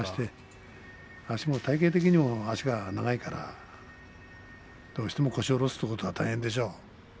足も体形的にも足が長いからどうしても腰を下ろすことは大変でしょう。